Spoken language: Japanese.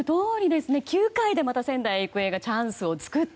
また９回に仙台育英がチャンスを作って。